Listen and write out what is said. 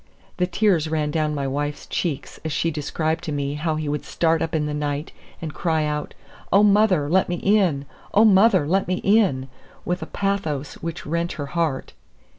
The tears ran down my wife's cheeks as she described to me how he would start up in the night and cry out, "Oh, mother, let me in! oh, mother, let me in!" with a pathos which rent her heart.